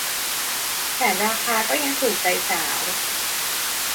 แถมราคาก็ยังถูกใจสาว